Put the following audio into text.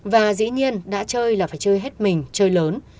và dĩ nhiên đã chơi là phải chơi hết mình chơi lớn